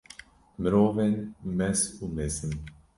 Mirovên mest û mezin!